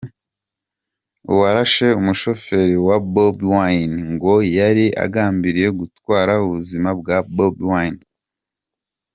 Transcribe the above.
Uwarashe umushoferi wa Bobi Wine, ngo “yari agambiriye gutwara ubuzima bwa Bobi Wine.